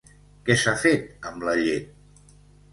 Què s'ha fet amb la llet?